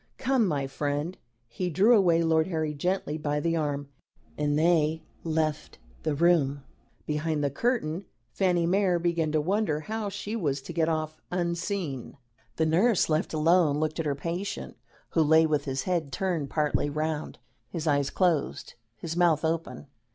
Come, my friend." He drew away Lord Harry gently by the arm, and they left the room. Behind the curtain Fanny Mere began to wonder how she was to get off unseen. The nurse, left alone, looked at her patient, who lay with his head turned partly round, his eyes closed, his mouth open.